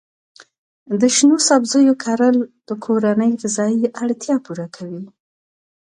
د شنو سبزیو کرل د کورنۍ غذایي اړتیا پوره کوي.